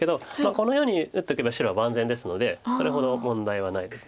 このように打っとけば白は万全ですのでそれほど問題はないです。